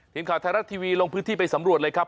ทีมข่าวไทยรัฐทีวีลงพื้นที่ไปสำรวจเลยครับ